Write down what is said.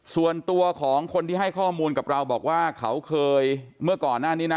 ส่วนตัวของคนที่ให้ข้อมูลกับเราบอกว่าเขาเคยเมื่อก่อนหน้านี้นะ